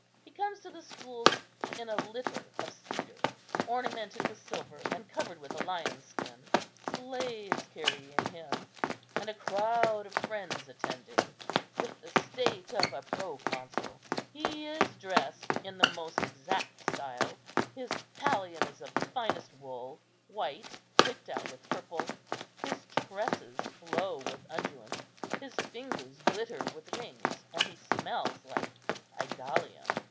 He comes to the schools in a litter of cedar, ornamented with silver and covered with a lion's skin, slaves carrying him, and a crowd of friends attending, with the state of a proconsul. He is dressed in the most exact style; his pallium is of the finest wool, white, picked out with purple; his tresses flow with unguent, his fingers glitter with rings, and he smells like Idalium.